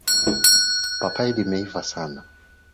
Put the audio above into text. Papai limeiva sana.